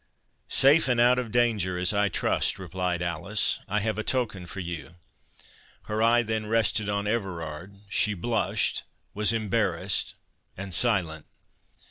"Safe and out of danger, as I trust," replied Alice—"I have a token for you." Her eye then rested on Everard—she blushed, was embarrassed, and silent.